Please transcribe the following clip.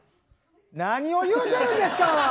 何を言うてるんですか！